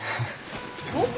おっ。